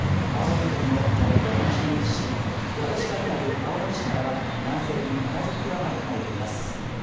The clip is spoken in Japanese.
青森県の最も西に位置し、私が今いる青森市からは南西に７０キロ余り離れています。